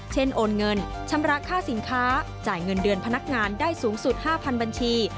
โอนเงินชำระค่าสินค้าจ่ายเงินเดือนพนักงานได้สูงสุด๕๐๐บัญชี